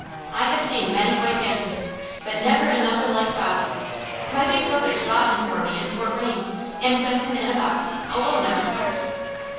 I have seen many white bantams, but never another like Bobby. My big brothers bought him for me in Fort Wayne, and sent him in a box, alone on the cars.